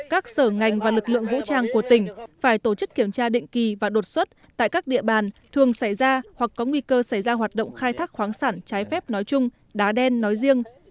các sở ngành và lực lượng vũ trang của tỉnh phải tổ chức kiểm tra định kỳ và đột xuất tại các địa bàn thường xảy ra hoặc có nguy cơ xảy ra hoạt động khai thác khoáng sản trái phép nói chung đá đen nói riêng